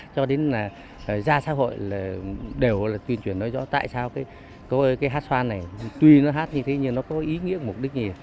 gia xã hội đều tuyên truyền nói rõ tại sao cái hát xoan này tuy nó hát như thế nhưng nó có ý nghĩa mục đích gì